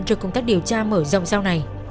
trước công tác điều tra mở rộng sau này